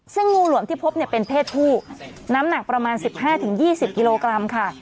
ซึ่งงูหลวมที่พบเนี่ยเป็นเพศผู้น้ำหนักประมาณ๑๕๒๐กิโลกรัมค่ะ